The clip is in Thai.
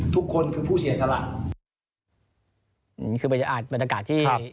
ทุกคนคือผู้เสียสละอืมคือมันจะอาจเป็นอากาศที่